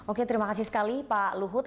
oke terima kasih sekali pak luhut